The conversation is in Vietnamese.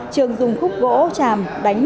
trường dùng khúc gỗ chàm đánh